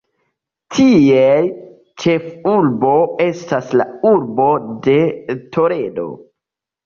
Ties ĉefurbo estas la urbo de Toledo.